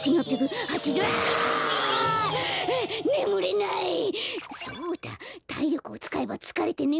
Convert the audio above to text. たいりょくをつかえばつかれてねむれるはず！